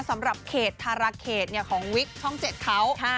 สำหรับเขตธาระเขตเนี้ยของวิกช่องเจ็ดเขาค่ะ